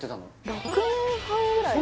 ６年半ぐらいです